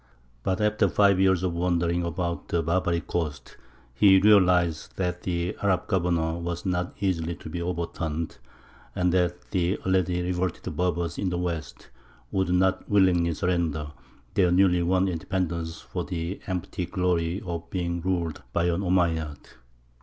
But after five years of wandering about the Barbary coast he realized that the Arab governor was not easily to be overturned, and that the already revolted Berbers in the West would not willingly surrender their newly won independence for the empty glory of being ruled by an Omeyyad.